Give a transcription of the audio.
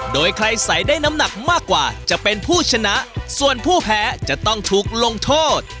โดยใครใส่ได้น้ำหนักมากกว่าจะเป็นผู้ชนะส่วนผู้แพ้จะต้องถูกลงโทษ